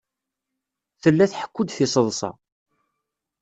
Tella tḥekku-d tiseḍsa.